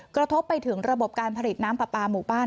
กระทบไปถึงระบบการผลิตน้ำปลาปลาหมู่บ้าน